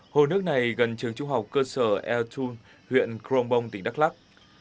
hồ nước này gần trường trung học cơ sở el thun huyện kronbong tỉnh đắk lắc